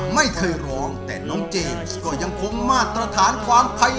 ไม่เคยร้องจริงครับ